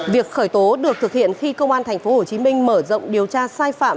việc khởi tố được thực hiện khi công an tp hcm mở rộng điều tra sai phạm